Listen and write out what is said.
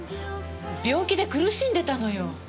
病気で苦しんでたのよ。